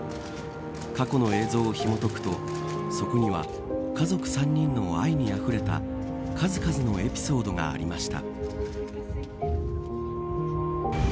過去の映像をひもとくとそこには家族３人の愛にあふれた数々のエピソードがありました。